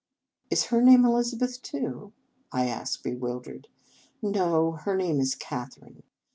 "Is her name Elizabeth, too?" I asked, bewildered. " No, her name is Catherine.